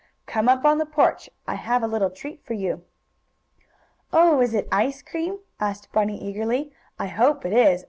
"Come up on the porch. I have a little treat for you." "Oh, is it ice cream?" asked Bunny eagerly. "I hope it is.